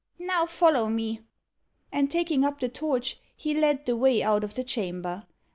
Now follow me." And taking up the torch, he led the way out of the chamber.